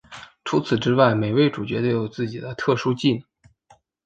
除此之外每位主角都有自己的特殊技能。